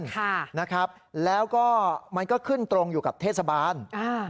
ค่ะนะครับแล้วก็มันก็ขึ้นตรงอยู่กับเทศบาลอ่า